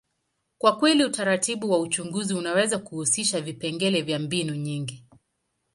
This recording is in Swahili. kwa kweli, utaratibu wa uchunguzi unaweza kuhusisha vipengele vya mbinu nyingi.